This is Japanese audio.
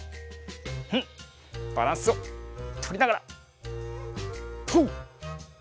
ふっバランスをとりながらとうっ！